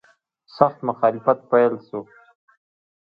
سخت مخالفت پیل شو.